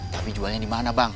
tapi jualnya dimana bang